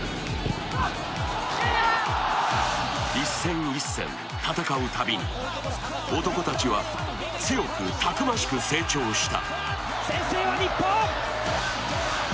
一戦一戦戦うたびに男たちは強くたくましく成長した。